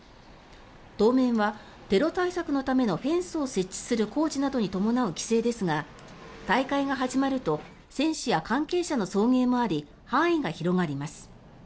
当面はテロ対策のためのフェンスを設置する工事などに伴う規制ですが大会が始まると選手や関係者の送迎もあり範囲が広がります。